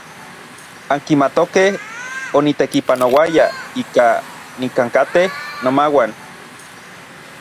Ankimatokej onitekipanouaya ika nikankatej nomauan.